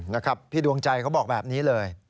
นะครับพี่ดวงใจเขาบอกแบบนี้เลย